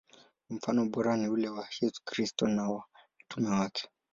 Mfano bora ni ule wa Yesu Kristo na wa mitume wake.